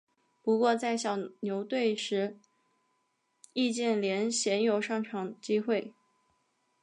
不过在小牛队时易建联鲜有上场机会。